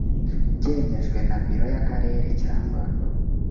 byemejwe na biro y akarere cyangwa